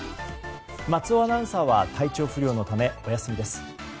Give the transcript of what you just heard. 松尾アナウンサーは体調不良のためお休みです。